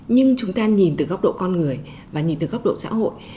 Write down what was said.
nhưng chúng ta nhìn từ góc độ con người và nhìn từ góc độ xã hội